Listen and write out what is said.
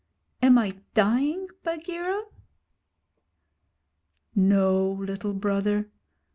Am I dying, Bagheera?' 'No, Little Brother.